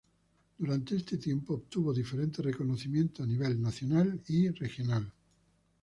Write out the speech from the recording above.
Durante este tiempo obtuvo diferentes reconocimientos a nivel nacional y regional.